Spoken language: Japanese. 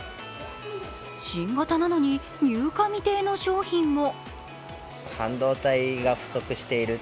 新型なのに、入荷未定の商品も。